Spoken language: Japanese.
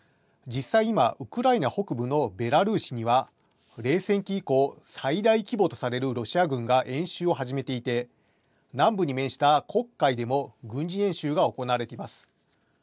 実際、今、ウクライナ北部のベラルーシには、冷戦期以降、最大規模とされるロシア軍が演習を始めていて、南部に面した黒海でも軍事演習が行われています。